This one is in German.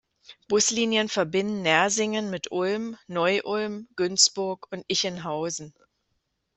Buslinien verbinden Nersingen mit Ulm, Neu-Ulm, Günzburg und Ichenhausen.